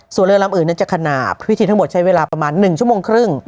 ส่วนเรือลำอื่นนั้นจะขนาดพิธีทั้งหมดใช้เวลาประมาณ๑ชั่วโมงครึ่ง